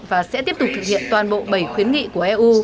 và sẽ tiếp tục thực hiện toàn bộ bảy khuyến khích